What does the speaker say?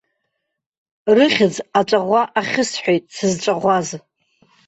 Рыхьӡ аҵәаӷәа ахьысҳәеит сызҵәаӷәаз.